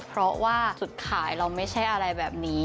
เพราะว่าจุดขายเราไม่ใช่อะไรแบบนี้